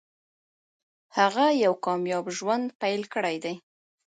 هغه یو کامیاب ژوند پیل کړی دی